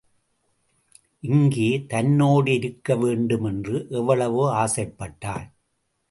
இங்கே தன்னோடு இருக்க வேண்டுமென்று எவ்வளவோ ஆசைப்பட்டாள்.